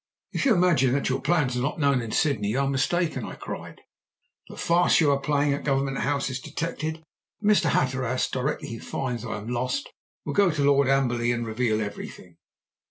"'If you imagine that your plans are not known in Sydney you are mistaken,' I cried. 'The farce you are playing at Government House is detected, and Mr. Hatteras, directly he finds I am lost, will go to Lord Amberley, and reveal everything.'